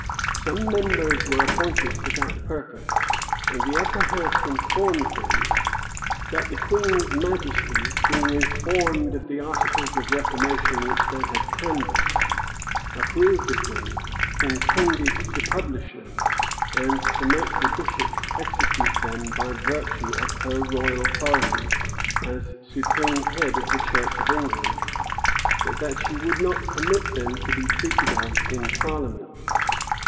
Some members were appointed for that purpose; and the upper house informed them, that the queen's majesty, being informed of the articles of reformation which they had canvassed, approved of them, intended to publish them, and to make the bishops execute them by virtue of her royal authority, as supreme head of the church of England; but that she would not permit them to be treated of in parliament.